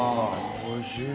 おいしい